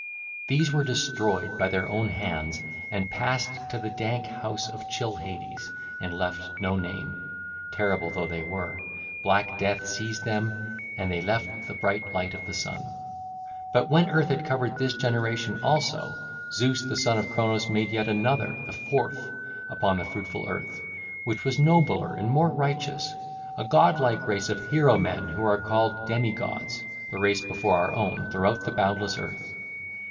These were destroyed by their own hands and passed to the dank house of chill Hades, and left no name: terrible though they were, black Death seized them, and they left the bright light of the sun. (ll. 156 169b) But when earth had covered this generation also, Zeus the son of Cronos made yet another, the fourth, upon the fruitful earth, which was nobler and more righteous, a god like race of hero men who are called demi gods, the race before our own, throughout the boundless earth.